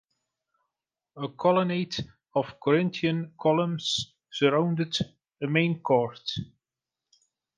A colonnade of Corinthian columns surrounded a main court.